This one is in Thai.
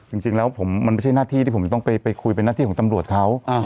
จริงแล้วมันไม่ใช่หน้าที่ที่ผมจะต้องไปคุยเป็นหน้าที่ของตำรวจเขา